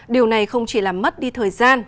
điều này không chỉ làm mất đi thời gian